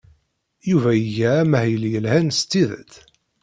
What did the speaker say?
Yuba iga amahil yelhan s tidet.